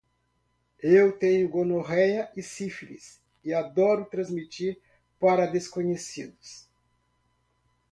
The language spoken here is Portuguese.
Eu tenho gonorreia e sífilis e adoro transmitir para desconhecidos